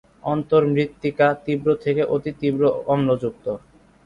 অন্তর্মৃত্তিকা তীব্র থেকে অতি তীব্র অম্লযুক্ত।